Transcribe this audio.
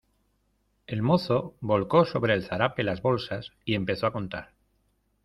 el mozo volcó sobre el zarape las bolsas, y empezó a contar.